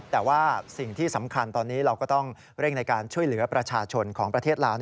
แต่ว่าสิ่งที่สำคัญตอนนี้เราก็ต้องเร่งในการช่วยเหลือประชาชนของประเทศลาว